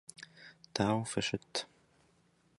Дауэ фыщыт?